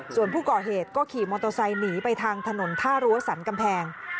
ส่วนผู้ก่อเหตุก็ขี่มอเตอร์ไซค์หนีไปทางถนนท่ารั้วสรรกำแพง